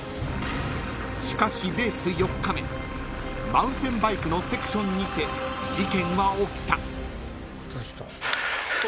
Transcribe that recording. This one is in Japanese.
［しかしレース４日目マウンテンバイクのセクションにて事件は起きた］